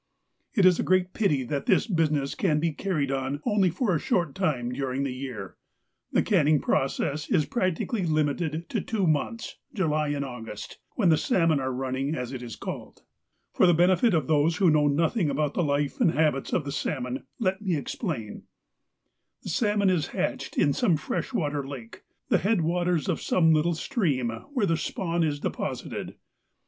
It is a great pity that this business can be carried on only for a short time during the year. The canning process is practically limited to two months, July and August, when the salmon are running, as it is called. For the benefit of those who know nothing about the life and habits of the salmon, let me explain : The salmon is hatched in some fresh water lake, the head waters of some little stream, where the spawn is deposited.